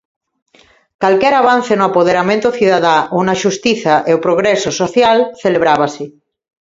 Calquera avance no apoderamento cidadá, ou na xustiza e o progreso social celebrábase.